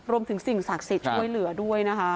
สิ่งศักดิ์สิทธิ์ช่วยเหลือด้วยนะคะ